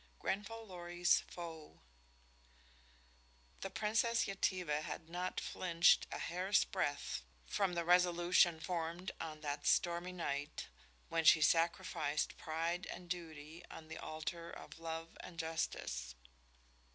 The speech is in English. GRENFALL LORRY'S FOE The Princess Yetive had not flinched a hair's breadth from the resolution formed on that stormy night when she sacrificed pride and duty on the altar of love and justice.